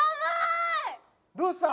どうした？